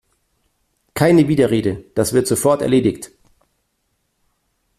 Keine Widerrede, das wird sofort erledigt!